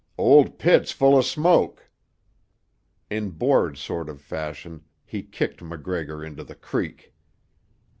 "Old pit's full o' smoke." In bored sort of fashion he kicked MacGregor into the creek.